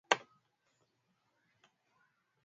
Umezoea chakula?